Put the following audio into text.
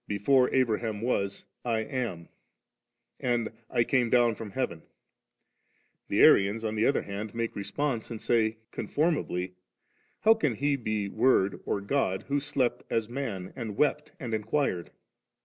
Before Abraham was, I am, and I came down from heaven*?* the Arians on the other hand make response 3 and say conformably, * How can He be Word or God who slept as man, and wept, and inquired?'